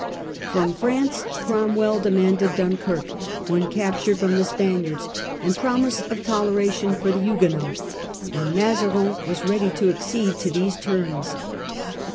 From France Cromwell demanded Dunkirk, when captured from the Spaniards, and promise of toleration for the Huguenots ; and Mazarin was ready to accede to these terms.